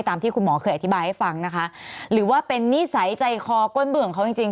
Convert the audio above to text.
ที่คุณหมอเคยอธิบายให้ฟังนะคะหรือว่าเป็นนิสัยใจคอก้นเบื่อของเขาจริงจริง